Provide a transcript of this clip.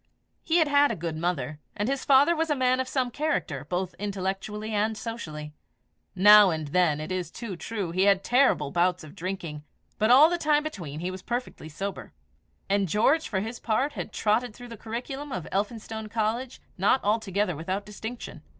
He had had a good mother, and his father was a man of some character, both intellectually and socially. Now and then, it is too true, he had terrible bouts of drinking; but all the time between he was perfectly sober. He had given his son more than a fair education; and George, for his part, had trotted through the curriculum of Elphinstone College not altogether without distinction.